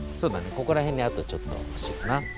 ここらへんにあとちょっとほしいかな。